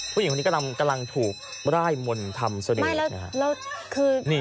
ผู้หญิงคนนี้กำลังถูกร่ายมนต์ทำเสน่ห์